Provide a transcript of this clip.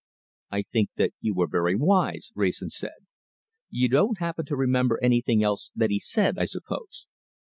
"I think that you were very wise," Wrayson said. "You don't happen to remember anything else that he said, I suppose?"